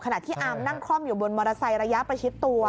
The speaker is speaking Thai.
ที่อาร์มนั่งคล่อมอยู่บนมอเตอร์ไซค์ระยะประชิดตัว